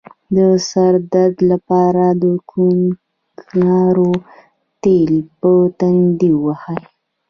د سر درد لپاره د کوکنارو تېل په تندي ووهئ